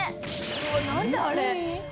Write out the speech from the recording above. うわ何だあれ？